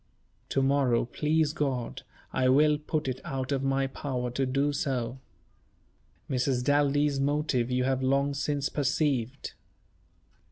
To morrow, please God, I will put it out of my power to do so. Mrs. Daldy's motive you have long since perceived.